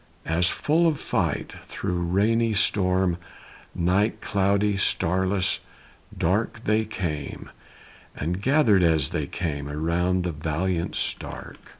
As full of fight, through rainy storm, Night, cloudy, starless, dark, They came, and gathered as they came, Around the valiant Stark.